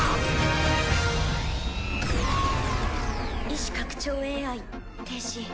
意思拡張ＡＩ停止。